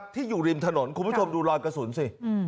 ที่อยู่ริมถนนคุณผู้ชมดูรอยกระสุนสิ